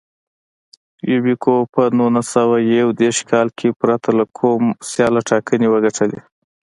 یوبیکو په نولس سوه یو دېرش کال کې پرته له کوم سیاله ټاکنې وګټلې.